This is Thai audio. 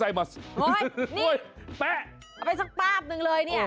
เอาไปสักแป๊บนึงเลย